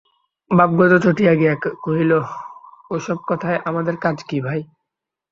ভাগবত চটিয়া গিয়া কহিল, ও-সব কথায় আমাদের কাজ কী ভাই?